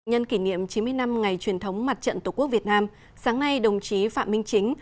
nhân kỷ niệm chín mươi năm ngày truyền thống mặt trận tổ quốc việt nam sáng nay đồng chí phạm minh chính